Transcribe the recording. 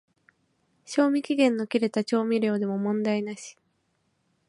賞味期限の切れた調味料でも問題なし